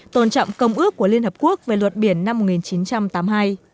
tôn trọng công ước của liên hợp quốc về luật biển năm một nghìn chín trăm tám mươi hai